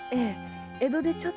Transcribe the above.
江戸でちょっと。